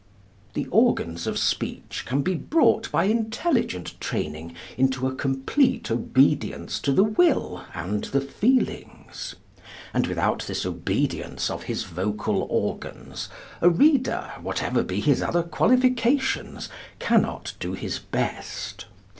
The organs of speech can be brought by intelligent training into a complete obedience to the will and the feelings; and without this obedience of his vocal organs, a reader, whatever be his other qualifications, cannot do his best.